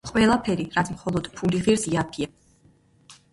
ყველაფერი, რაც მხოლოდ ფული ღირს იაფია